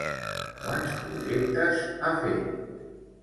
Quants projectes ha fet?